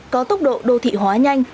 có tốc độ đô thị hóa nhanh